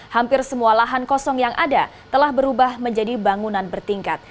hampir semua lahan kosong yang ada telah berubah menjadi bangunan bertingkat